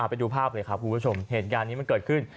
ไปดูภาพเลยครับคุณผู้ชมเหตุการณ์นี้มันเกิดขึ้น